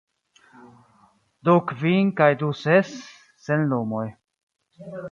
Du kvin kaj du ses, sen lumoj.